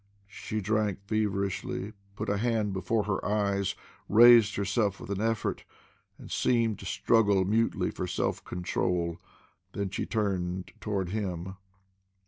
She drank feverishly, put a hand before her eyes, raised herself with an effort, and seemed to struggle mutely for self control. Then she turned toward him.